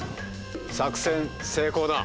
作戦成功だ！